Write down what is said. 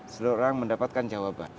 seluruh orang mendapatkan jawaban